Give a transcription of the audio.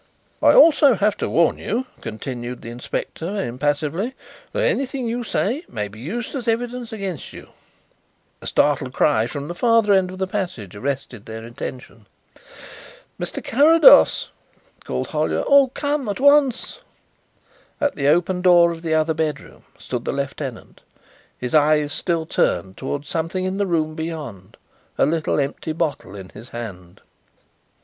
"I also have to warn you," continued the inspector impassively, "that anything you say may be used as evidence against you." A startled cry from the farther end of the passage arrested their attention. "Mr. Carrados," called Hollyer, "oh, come at once." At the open door of the other bedroom stood the lieutenant, his eyes still turned towards something in the room beyond, a little empty bottle in his hand.